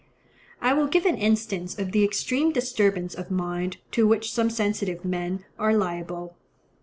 I will give an instance of the extreme disturbance of mind to which some sensitive men are liable.